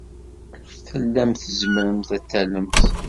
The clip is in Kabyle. Tellamt tzemremt ad tallemt?